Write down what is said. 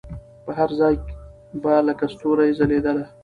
پر هر ځای به لکه ستوري ځلېدله